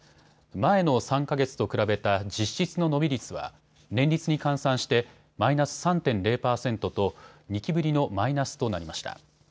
前の３か月と比べた実質の伸び率は年率に換算してマイナス３．０％と２期ぶりのマイナスとなりました。